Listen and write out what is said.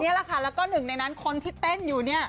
นี่แหละค่ะแล้วก็หนึ่งในนั้นคนที่เต้นอยู่เนี่ย